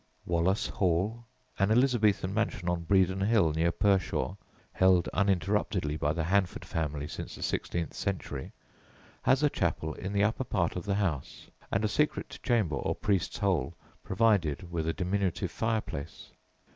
Wollas Hall, an Elizabethan mansion on Bredon Hill, near Pershore (held uninterruptedly by the Hanford family since the sixteenth century), has a chapel in the upper part of the house, and a secret chamber, or priest's hole, provided with a diminutive fire place.